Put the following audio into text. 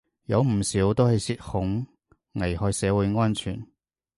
有唔少都係涉恐，危害社會安全